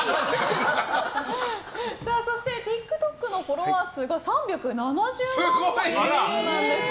そしてＴｉｋＴｏｋのフォロワー数が３７０万もいるそうなんです。